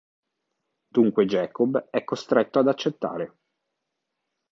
Dunque Jacob è costretto ad accettare.